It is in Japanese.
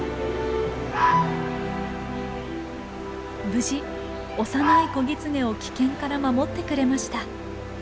無事幼い子ギツネを危険から守ってくれました。